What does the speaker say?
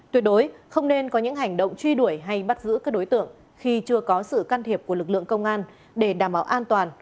tuyệt đối không nên có những hành động truy đuổi hay bắt giữ các đối tượng khi chưa có sự can thiệp của lực lượng công an để đảm bảo an toàn